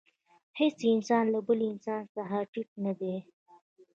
هېڅ انسان له بل انسان څخه ټیټ نه دی.